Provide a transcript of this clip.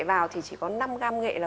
vào thì chỉ có năm gram nghệ là